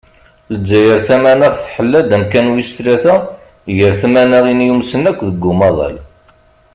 Lezzayer tamanaɣt tḥella-d amkan wis tlata gar tmanaɣin yumsen akk deg umaḍal.